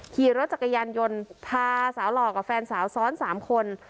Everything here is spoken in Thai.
ขี่รถจักรยานยนต์พาสาวหล่อกับแฟนสาวซ้อน๓คน